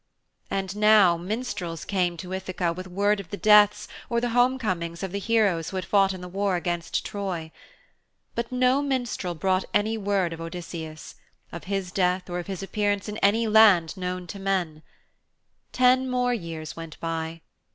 And now minstrels came to Ithaka with word of the deaths or the homecomings of the heroes who had fought in the war against Troy. But no minstrel brought any word of Odysseus, of his death or of his appearance in any land known to men. Ten years more went by.